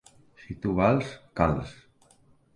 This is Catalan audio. Si tu vals, cals.